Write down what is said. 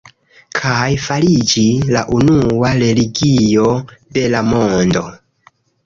Kaj fariĝi la unua religio de la mondo.